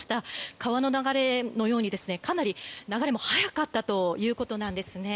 川の流れのように、かなり流れも速かったということなんですね。